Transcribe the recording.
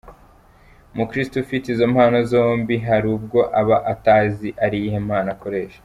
Umukiristo ufite izo mpano zombi, hari ubwo aba atazi ari iyihe mpano akoresha.